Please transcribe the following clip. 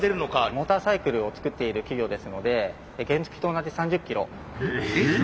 モーターサイクルを作っている企業ですので原付きと同じ３０キロ。え？